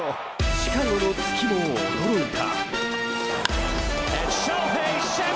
シカゴの月も驚いた。